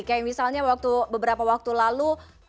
kayak misalnya beberapa waktu lalu